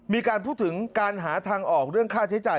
มีการพูดถึงการหาทางออกเรื่องค่าใช้จ่าย